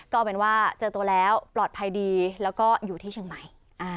ก็เป็นว่าเจอตัวแล้วปลอดภัยดีแล้วก็อยู่ที่เชียงใหม่